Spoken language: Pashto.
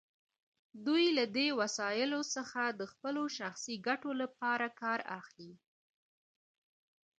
دوی له دې وسایلو څخه د خپلو شخصي ګټو لپاره کار اخلي.